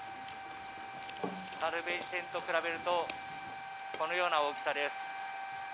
サルベージ船と比べるとこのような大きさです。